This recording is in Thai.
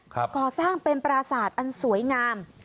ครับก่อสร้างเป็นปราสาทอันสวยงาม